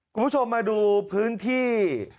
ทุกคนดูพื้นที่